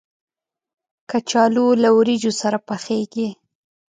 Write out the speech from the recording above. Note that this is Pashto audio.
کچالو له وریجو سره پخېږي